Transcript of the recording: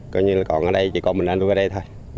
coi như là còn ở đây chỉ còn mình anh tôi ở đây thôi